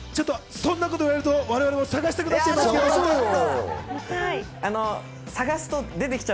そのこと言われると我々も探したくなっちゃう。